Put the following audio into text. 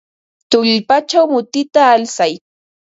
Tullpachaw mutita alsay.